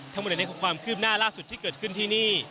ทั้งหมดนี้คือความคืบหน้าล่าสุดที่เกิดขึ้นที่นี่